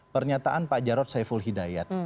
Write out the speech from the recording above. pernyataan pak jarod saiful hidayat